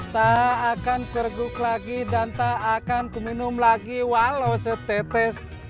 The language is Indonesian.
tak akan ku reguk lagi dan tak akan ku minum lagi walau setetes